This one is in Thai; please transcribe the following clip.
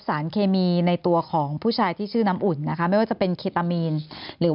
สารเคมีในตัวของผู้ชายที่ชื่อน้ำอุ่นนะคะไม่ว่าจะเป็นเคตามีนหรือ